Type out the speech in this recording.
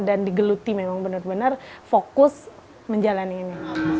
dan digeluti memang benar benar fokus menjalani ini